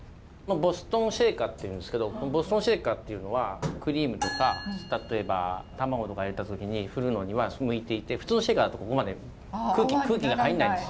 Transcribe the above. ボストンシェイカーっていうんですけどこのボストンシェイカーっていうのはクリームとか例えば卵とか入れた時に振るのには向いていて普通のシェイカーだとここまで空気が入んないんです。